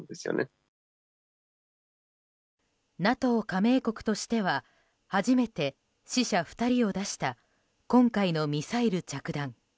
ＮＡＴＯ加盟国としては初めて死者２人を出した今回のミサイル着弾。